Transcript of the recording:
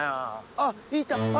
あっいた！